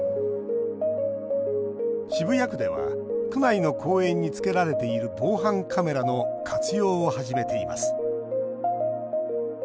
渋谷区では区内の公園につけられている防犯カメラの活用を始めています。